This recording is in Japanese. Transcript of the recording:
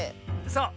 そう。